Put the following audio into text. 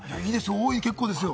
大いに結構ですよ。